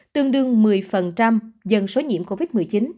tương đương một mươi dân số nhiễm covid một mươi chín